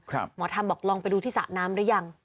ครับหมอทำบอกลองไปดูที่สานามหรือยัง